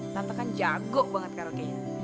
tante kan jago banget karaoke nya